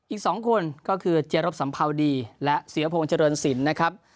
อีก๒คนก็คือเจรบสัมภาวดีและเสียพงษ์เจริญสินนะครับ